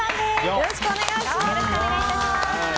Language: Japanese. よろしくお願いします！